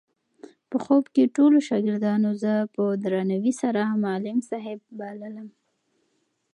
په خوب کې ټولو شاګردانو زه په درناوي سره معلم صاحب بللم.